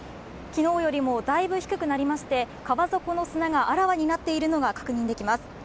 昨日よりもだいぶ低くなりまして川底の砂があらわになっているのが確認できます。